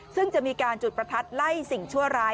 ซึ่งจะมีการจุดประทัดไล่สิ่งชั่วร้าย